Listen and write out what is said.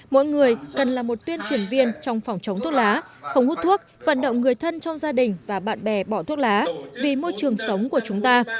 mỗi người cần là một tuyên truyền viên trong phòng chống thuốc lá không hút thuốc vận động người thân trong gia đình và bạn bè bỏ thuốc lá vì môi trường sống của chúng ta